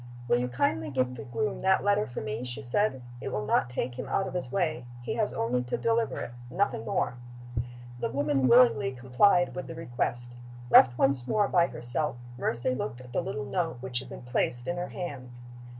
"Will you kindly give the groom that letter for me?" she said. "It will not take him out of his way. He has only to deliver it nothing more." The woman willingly complied with the request. Left once more by herself, Mercy looked at the little note which had been placed in her hands.